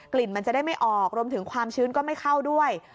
ลิ่นมันจะได้ไม่ออกรวมถึงความชื้นก็ไม่เข้าด้วย